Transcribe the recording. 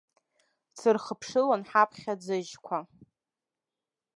Сырхыԥшылон ҳаԥхьа аӡыжьқәа.